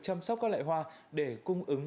chăm sóc các loại hoa để cung ứng